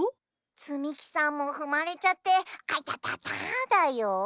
積み木さんも踏まれちゃってあいたたただよ。